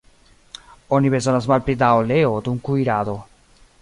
Oni bezonas malpli da oleo dum kuirado.